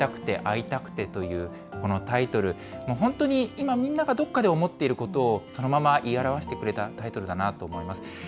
まさにこの会いたくて会いたくてという、このタイトル、もう本当に、いまみんながどっかで思っていることを、そのまま言い表してくれたタイトルだと思います。